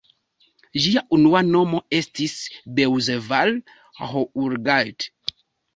Ĝia unua nomo estis "Beuzeval-Houlgate".